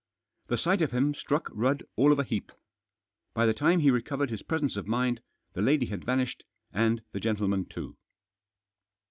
The sight of him struck Rudd all of a heap. By the time he recovered his presence of mind, the lady had vanished, and the gentleman too.